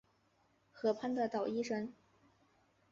河畔的捣衣声